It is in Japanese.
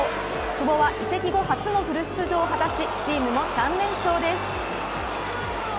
久保は移籍後初のフル出場を果たしチームも３連勝です。